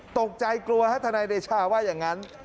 ตกใจกลัวฮะทนายเดชาว่าอย่างนั้น